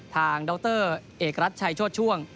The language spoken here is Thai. ทางดาวเตอร์เอกรัฐชายชดช่วง